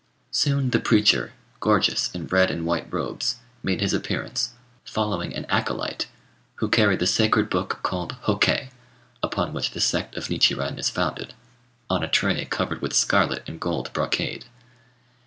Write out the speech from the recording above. Soon the preacher, gorgeous in red and white robes, made his appearance, following an acolyte, who carried the sacred book called Hokké (upon which the sect of Nichiren is founded) on a tray covered with scarlet and gold brocade.